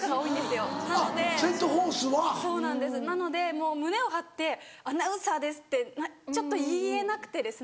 もう胸を張ってアナウンサーです！ってちょっと言えなくて。